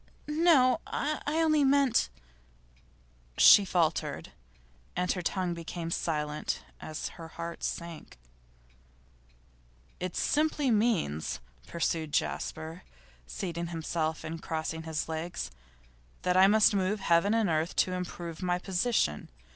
'No. I only meant ' She faltered, and her tongue became silent as her heart sank. 'It simply means,' pursued Jasper, seating himself and crossing his legs, 'that I must move heaven and earth to improve my position.